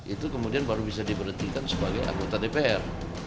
itu kemudian baru bisa diberhentikan sebagai anggota dpr